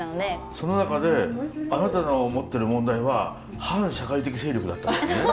その中であなたの持ってる問題は反社会的勢力だったんですね。